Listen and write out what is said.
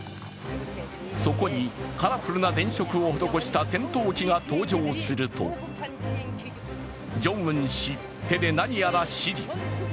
そこにカラフルな電飾を施した戦闘機が登場すると、ジョンウン氏、手で何やら指示。